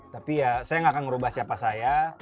tapi ya saya gak akan ngerubah siapa saya